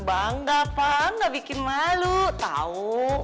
bangga pa gak bikin malu tau